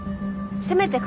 せめて鏡。